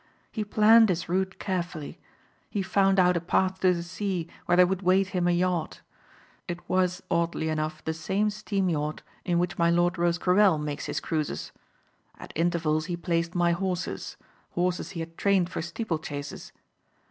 He planned his route carefully. He found out a path to the sea where there would wait him a yacht. It was, oddly enough, the same steam yacht in which my lord Rosecarrel makes his cruises. At intervals he placed my horses, horses he had trained for steeple chases.